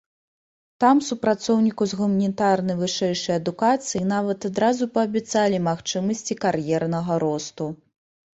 Там супрацоўніку з гуманітарнай вышэйшай адукацыяй нават адразу паабяцалі магчымасці кар'ернага росту.